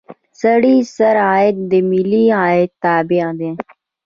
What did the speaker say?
سړي سر عاید د ملي عاید تابع ده.